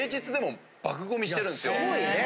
すごいね。